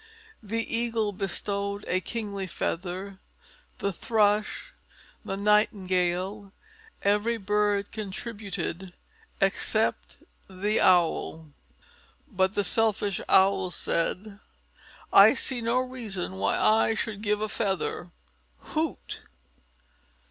The Eagle bestowed a kingly feather, the Thrush, the Nightingale, every bird contributed except the Owl. But the selfish Owl said, "I see no reason why I should give a feather. Hoot!